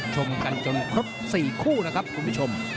ชมกันจนครบ๔คู่นะครับคุณผู้ชม